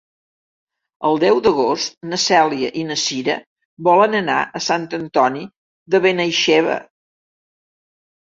El deu d'agost na Cèlia i na Cira volen anar a Sant Antoni de Benaixeve.